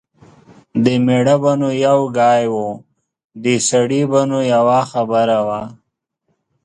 د مېړه به نو یو ګای و . د سړي به نو یوه خبره وه